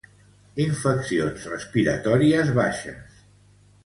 Infeccions respiratòries baixes.